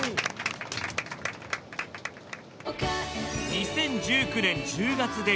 ２０１９年１０月デビュー。